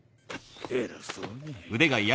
偉そうに。